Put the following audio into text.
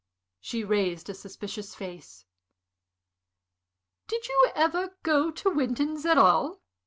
She raised a suspicious face. "Did you ever go to Winton's at all?"